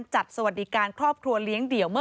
พบหน้าลูกแบบเป็นร่างไร้วิญญาณ